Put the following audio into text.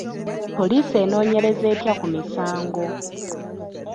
Poliisi enoonyereza etya ku misango?